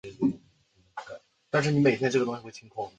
柴胡状斑膜芹是伞形科斑膜芹属的植物。